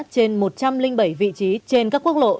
trên một trăm linh bảy vị trí trên các quốc lộ